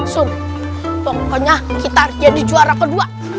so pokoknya kita jadi juara kedua